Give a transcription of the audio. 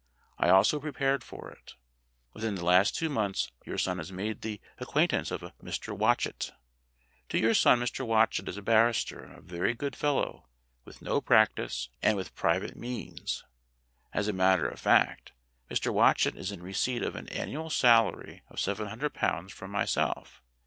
I also prepared for it. Within the last two months your son has made the acquaintance of a Mr. Watchet. To your son Mr. Watchet is a barrister and a very good fellow, with no practice, and with private means. As a matter of fact, Mr. Watchet is in receipt of an annual salary of seven hundred pounds from myself.